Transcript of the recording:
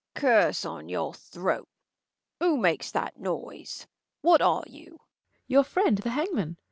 Curse on your throat ! who makes that noise % What are you ? Fool. Your friend, the hangman